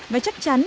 và chắc chắn